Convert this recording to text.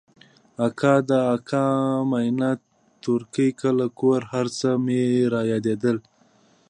اکا د اکا مينه تورکى کلى کور هرڅه مې رايادېدل.